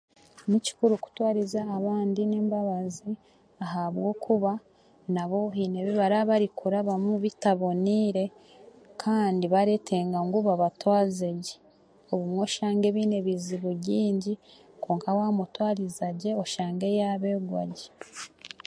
Ni kikuru kutwariza abandi n'embabazi ahabwokuba nabo haine ebibaarabarikurabamu bitaboneire kandi baretenga ngu babtwaze gye, obumwe baine ebizibu bingi kwonka waamutwariza gye oshange yaabegwa gye.